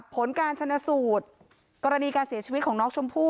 ผลการชนะสูตรกรณีการเสียชีวิตของน้องชมพู่